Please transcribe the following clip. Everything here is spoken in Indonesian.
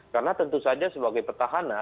karena tentu saja sebagai petahana